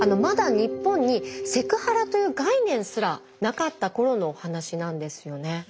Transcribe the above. まだ日本にセクハラという概念すらなかった頃のお話なんですよね。